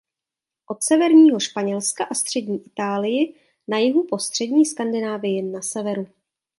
Od severního Španělska a střední Itálii na jihu po střední Skandinávii na severu.